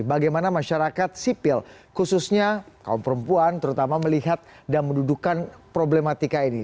bagaimana masyarakat sipil khususnya kaum perempuan terutama melihat dan mendudukan problematika ini